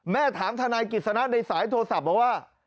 ถามทนายกิจสนะในสายโทรศัพท์บอกว่า